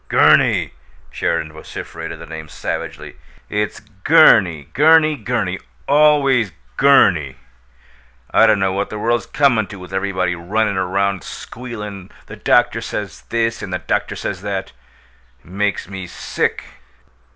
"Gurney!" Sheridan vociferated the name savagely. "It's Gurney, Gurney, Gurney! Always Gurney! I don't know what the world's comin' to with everybody runnin' around squealin', 'The doctor says this,' and, 'The doctor says that'! It makes me sick!